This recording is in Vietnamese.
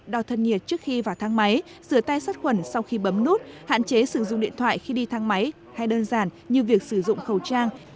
đo thân nhiệt trước khi vào thang máy rửa tay sát khuẩn sau khi bấm nút hạn chế sử dụng điện thoại khi đi thang máy hay đơn giản như việc sử dụng khẩu trang